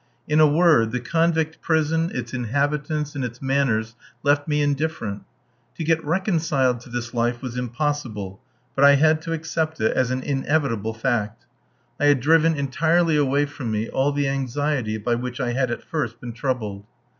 In a word, the convict prison, its inhabitants, and its manners, left me indifferent. To get reconciled to this life was impossible, but I had to accept it as an inevitable fact. I had driven entirely away from me all the anxiety by which I had at first been troubled.